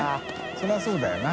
そりゃそうだよな。